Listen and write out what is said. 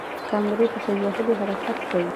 کانګارو په خیز وهلو حرکت کوي